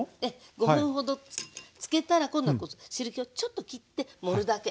５分ほどつけたら今度汁けをちょっときって盛るだけ。